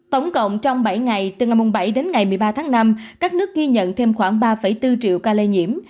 tổng cộng trong bảy ngày từ ngày bảy đến ngày một mươi ba tháng năm các nước ghi nhận thêm khoảng ba bốn triệu ca lây nhiễm